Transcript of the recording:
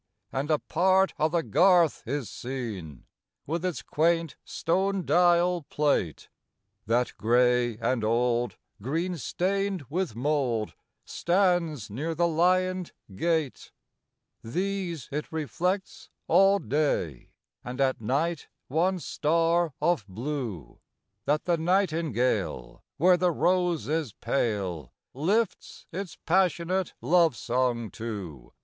And a part o' the garth is seen, With its quaint stone dial plate, That, gray and old, green stained with mold, Stands near the lioned gate. These it reflects all day, And at night one star of blue, That the nightingale, where the rose is pale, Lifts its passionate love song to.